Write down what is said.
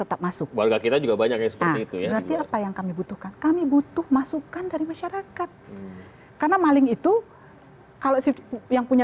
apa yang kami butuhkan kami butuh masukan dari masyarakat karena maling itu kalau si yang punya